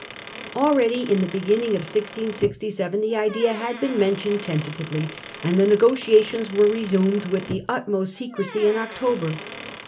Already, in the begin ning of 1667, the idea had been mentioned tentatively ; and the negotiations were resumed with the utmost secrecy in October.